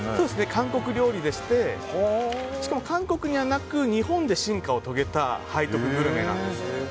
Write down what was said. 韓国料理でしてしかも韓国にはなく日本で進化を遂げた背徳グルメなんです。